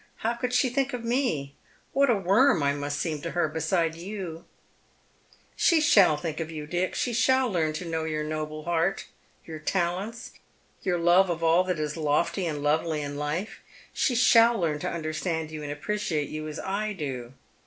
How could she think of me ? What a worm 1 must seem to her beside you !"" She shall think of you, Dick. She shall learn to know your noble heart — your talents — your love of all that is lofty and lovely in life. She shall learn to understand you and appreciate you as I do.